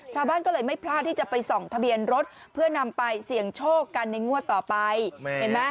ชาวบ้านก็เลยไม่พลาดที่จะไปส่องทะเบียนรถเพื่อนำไปเสี่ยงโชคกันในงวดต่อไปเห็นไหม